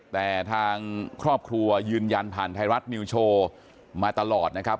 แต่ทางครอบครัวยืนยันผ่านไทยรัฐนิวโชว์มาตลอดนะครับ